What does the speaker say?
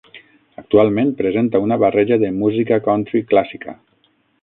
Actualment presenta una barreja de música country clàssica.